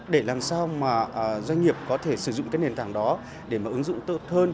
để làm sao mà doanh nghiệp có thể sử dụng cái nền tảng đó để mà ứng dụng tốt hơn